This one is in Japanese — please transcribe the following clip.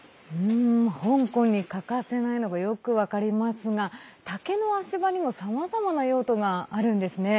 香港に欠かせないのがよく分かりますが竹の足場にもさまざまな用途があるんですね。